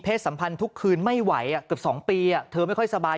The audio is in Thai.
สัมพันธ์ทุกคืนไม่ไหวเกือบ๒ปีเธอไม่ค่อยสบาย